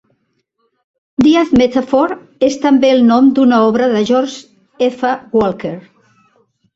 Dead Metaphor és també el nom d"una obra de George F. Walker.